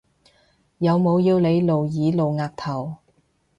有冇要你露耳露額頭？